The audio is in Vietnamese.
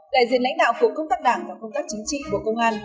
đại diện lãnh đạo của công tác đảng và công tác chính trị của công an